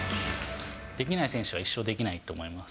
できない選手は一生できないと思います。